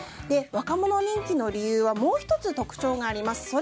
若者人気の理由はもう１つ特徴があります。